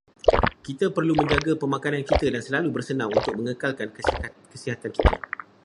Kita perlu menjaga pemakanan kita dan selalu bersenam untuk mengekalkan kesihatan kita.